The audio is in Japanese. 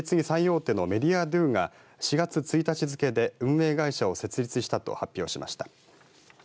最大手のメディアドゥが４月１日付けで運営会社を設立したと発表しました。